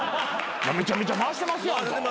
めちゃめちゃ回してますやんか。